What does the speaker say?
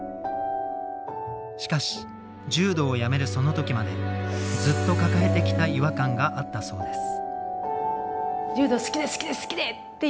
しかし柔道をやめるその時までずっと抱えてきた違和感があったそうです。